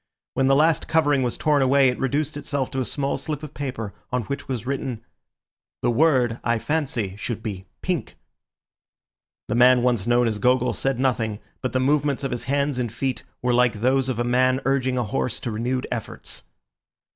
When the last covering was torn away it reduced itself to a small slip of paper, on which was written:— "The word, I fancy, should be 'pink'." The man once known as Gogol said nothing, but the movements of his hands and feet were like those of a man urging a horse to renewed efforts.